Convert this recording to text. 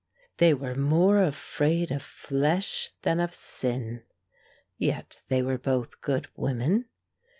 They were more afraid of flesh than of sin. Yet they were both good women.